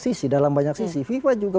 sisi dalam banyak sisi fifa juga